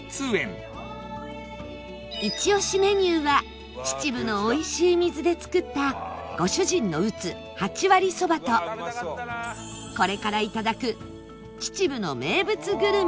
イチオシメニューは秩父のおいしい水で作ったご主人の打つ八割そばとこれからいただく秩父の名物グルメ